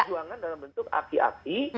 perjuangan dalam bentuk aki aki